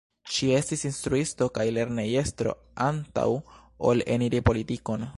Ŝi estis instruisto kaj lernejestro antaŭ ol eniri politikon.